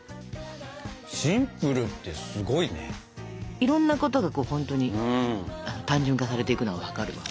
いろんなことがほんとに単純化されていくのが分かる。